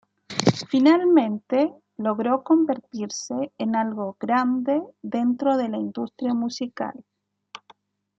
Finalmente logró convertirse en algo grande dentro de la industria musical.